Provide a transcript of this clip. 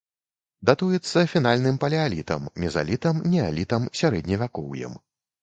Датуецца фінальным палеалітам, мезалітам, неалітам, сярэдневякоўем.